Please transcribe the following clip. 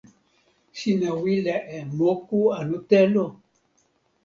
sina wile e moku anu telo?